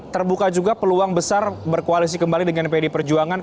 terbuka juga peluang besar berkoalisi kembali dengan pd perjuangan